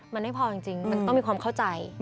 มันไม่พอจริงมันต้องมีความเข้าใจ